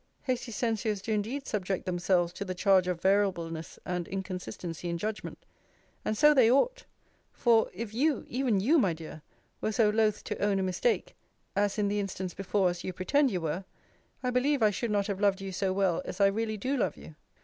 Hasty censures do indeed subject themselves to the charge of variableness and inconsistency in judgment: and so they ought; for, if you, even you, my dear, were so loth to own a mistake, as in the instance before us you pretend you were, I believe I should not have loved you so well as I really do love you.